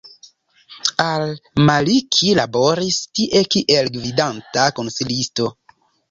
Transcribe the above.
Al-Maliki laboris tie kiel gvidanta konsilisto.